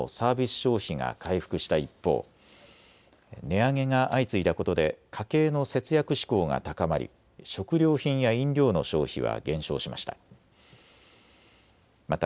消費が回復した一方、値上げが相次いだことで家計の節約志向が高まり食料品や飲料の消費は減少しました。